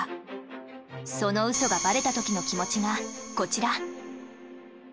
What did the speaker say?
その嘘がバレた時の気持ちがこちら。